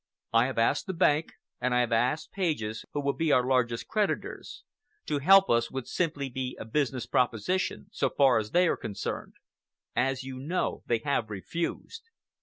I have asked the bank and I have asked Pages, who will be our largest creditors. To help us would simply be a business proposition, so far as they are concerned. As you know, they have refused.